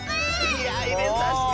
いやいれさせてよ。